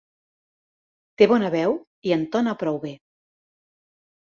Té bona veu i entona prou bé.